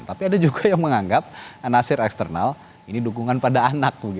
tapi ada juga yang menganggap nasir eksternal ini dukungan pada anak